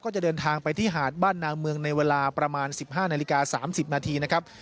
จะเดินทางไปที่หาดบ้านนางเมืองในเวลาประมาณ๑๕นาฬิกา๓๐นาทีนะครับ